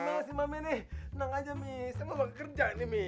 ngomel ngomel sih mame nih tenang aja mi saya mau baga kerja nih mi